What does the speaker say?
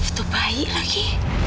betul bayi lagi